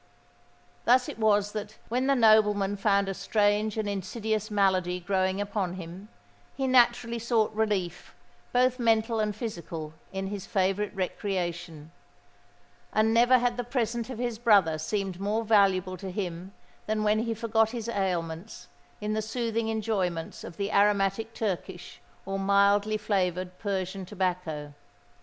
Thus was it that, when the nobleman found a strange and insidious malady growing upon him, he naturally sought relief, both mental and physical, in his favourite recreation; and never had the present of his brother seemed more valuable to him than when he forgot his ailments in the soothing enjoyments of the aromatic Turkish or mildly flavoured Persian tobacco.